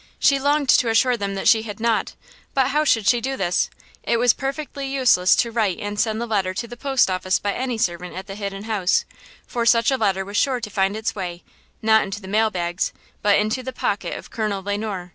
She longed to assure them that she had not; but how should she do this? It was perfectly useless to write and send the letter to the post office by any servant at the Hidden House, for such a letter was sure to find its way–not into the mail bags, but into the pocket of Colonel Le Noir.